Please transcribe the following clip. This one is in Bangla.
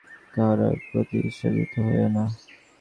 কাহারও প্রতি ঈর্ষান্বিত হইও না।